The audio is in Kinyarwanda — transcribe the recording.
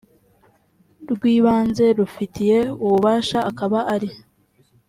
rw ibanze rubifitiye ububasha akaba ari